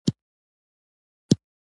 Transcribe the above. نارينه هم بايد په پخلي کښې برخه واخلي